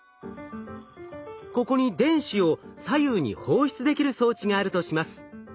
ここに電子を左右に放出できる装置があるとします。